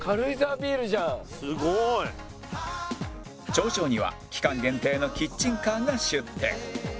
頂上には期間限定のキッチンカーが出店